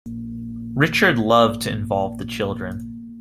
Richard loved to involve the children.